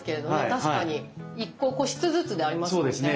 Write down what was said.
確かに個室ずつでありますもんね。